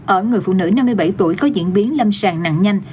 ở người phụ nữ năm mươi bảy tuổi có diễn biến lâm sàng nặng nhanh